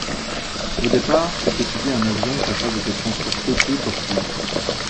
Au départ, fut étudié un avion capable de transporter deux torpilles.